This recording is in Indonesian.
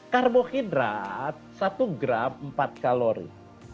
karbohidrat satu gram empat kalori